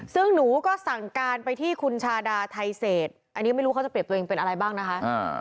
ซึ่งหนูก็สั่งการไปที่คุณชาดาไทเศษอันนี้ไม่รู้เขาจะเปรียบตัวเองเป็นอะไรบ้างนะคะ